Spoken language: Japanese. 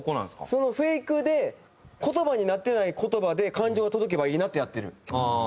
そのフェイクで言葉になってない言葉で感情が届けばいいなってやってる。